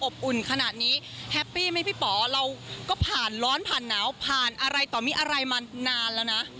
อุ่นขนาดนี้แฮปปี้ไหมพี่ป๋อเราก็ผ่านร้อนผ่านหนาวผ่านอะไรต่อมีอะไรมานานแล้วนะ